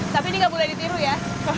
tapi ini nggak boleh ditiru ya